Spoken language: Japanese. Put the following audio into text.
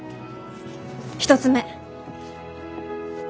１つ目！